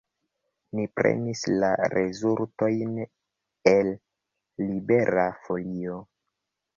Ni prenis la rezultojn el Libera Folio.